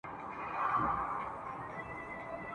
له عمرونو په دې کور کي هستېدله !.